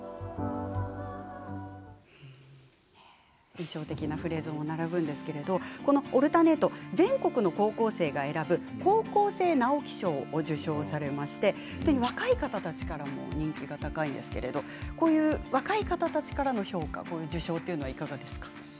印象的なフレーズが並ぶんですが「オルタネート」は全国の高校生が選ぶ高校生直木賞を受賞されまして若い方たちからも人気が高いんですけれども若い方たちからの評価、受賞というのはいかがですか？